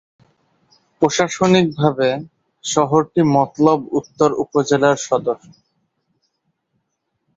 প্রশাসনিকভাবে শহরটি মতলব উত্তর উপজেলার সদর।